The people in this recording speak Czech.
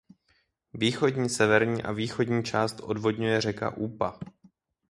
Východní severní a východní část odvodňuje řeka Úpa.